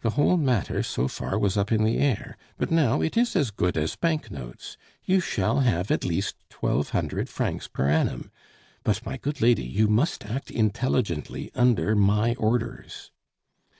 The whole matter, so far, was up in the air, but now it is as good as bank notes.... You shall have at least twelve hundred francs per annum.... But, my good lady, you must act intelligently under my orders."